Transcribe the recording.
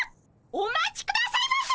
お待ちくださいませ！